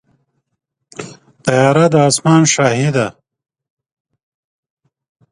طیاره د اسمان شاهي ده.